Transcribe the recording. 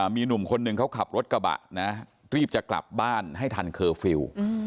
มีหนุ่มคนหนึ่งเขาขับรถกระบะนะรีบจะกลับบ้านให้ทันเคอร์ฟิลล์